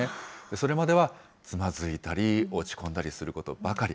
それまでは、つまずいたり、落ち込んだりすることばかり。